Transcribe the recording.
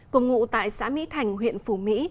cùng ngụ tại xã mỹ thành huyện phủ mỹ